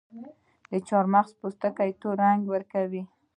د چارمغز پوستکي تور رنګ ورکوي.